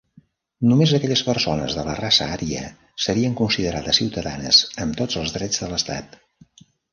Només aquelles persones de la raça ària serien considerades ciutadanes amb tots els drets de l'estat.